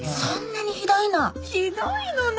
そんなにひどいの？